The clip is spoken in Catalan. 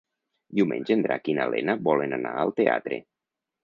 Diumenge en Drac i na Lena volen anar al teatre.